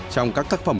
trong các thắc phẩm